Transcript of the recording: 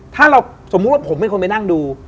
ถ้าผมเป็นคนไปนั่งดู